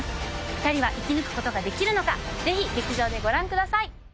２人は生き抜くことができるのかぜひ劇場でご覧ください。